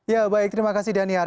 ya baik terima kasih daniar